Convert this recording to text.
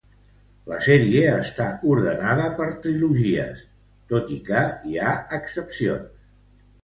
La sèrie està ordenada per trilogies, tot i que hi ha excepcions.